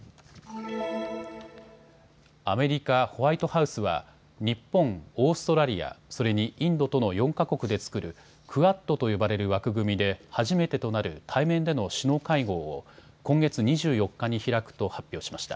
アメリカ・ホワイトハウスは日本、オーストラリア、それにインドとの４か国で作るクアッドと呼ばれる枠組みで初めてとなる対面での首脳会合を今月２４日に開くと発表しました。